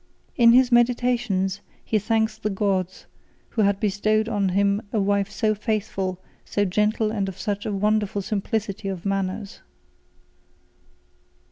In his Meditations, he thanks the gods, who had bestowed on him a wife so faithful, so gentle, and of such a wonderful simplicity of manners.